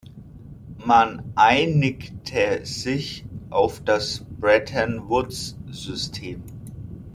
Man einigte sich auf das Bretton-Woods-System.